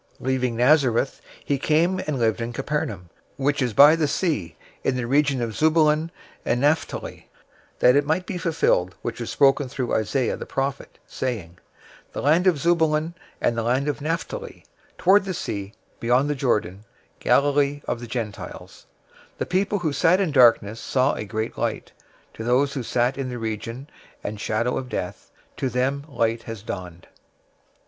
004:013 Leaving Nazareth, he came and lived in Capernaum, which is by the sea, in the region of Zebulun and Naphtali, 004:014 that it might be fulfilled which was spoken through Isaiah the prophet, saying, 004:015 "The land of Zebulun and the land of Naphtali, toward the sea, beyond the Jordan, Galilee of the Gentiles, 004:016 the people who sat in darkness saw a great light, to those who sat in the region and shadow of death, to them light has dawned."